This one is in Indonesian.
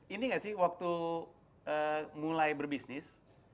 ini gak sih waktu mulai berbisnis